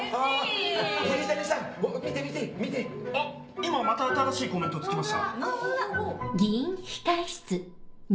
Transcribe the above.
今また新しいコメントつきました。